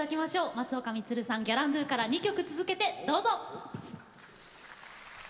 松岡充さん「ギャランドゥ」から２曲続けてどうぞ。